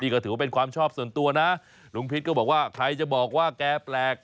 ก็ถือว่าเป็นความชอบส่วนตัวนะลุงพิษก็บอกว่าใครจะบอกว่าแกแปลก